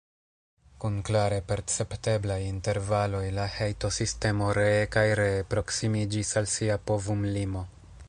Kun klare percepteblaj intervaloj, la hejtosistemo ree kaj ree proksimiĝis al sia povum-limo.